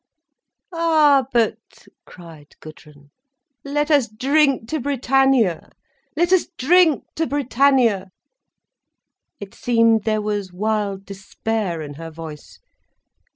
"Ah but," cried Gudrun, "let us drink to Britannia—let us drink to Britannia." It seemed there was wild despair in her voice.